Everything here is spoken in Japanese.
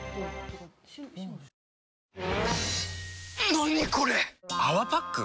何これ⁉「泡パック」？